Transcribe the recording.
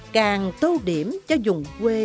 càng tô điểm cho dùng quê